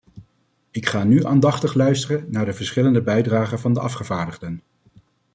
Ik ga nu aandachtig luisteren naar de verschillende bijdragen van de afgevaardigden.